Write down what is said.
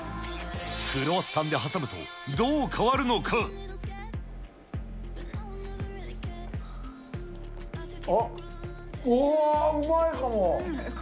クロワッサンで挟むとどう変わるあっ、うわーっ、うまいかも。